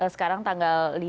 sekarang tanggal lima